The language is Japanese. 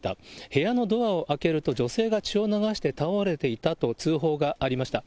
部屋のドアを開けると女性が血を流して倒れていたと通報がありました。